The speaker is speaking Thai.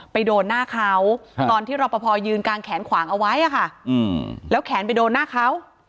ไปโดนหน้าเขาตอนที่รอปภยืนกางแขนขวางเอาไว้ค่ะแล้วแขนไปโดนหน้าเขา